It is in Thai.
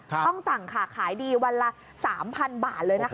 ต้องสั่งค่ะขายดีวันละ๓๐๐บาทเลยนะคะ